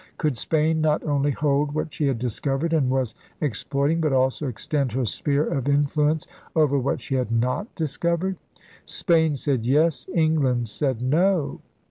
Could Spain not only hold what she had discovered and was ex ploiting but also extend her sphere of influence over what she had not discovered? Spain said Yes. England said No.